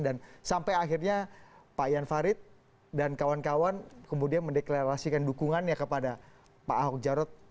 dan sampai akhirnya pak ijan farid dan kawan kawan kemudian mendeklarasikan dukungan ya kepada pak ahok jarot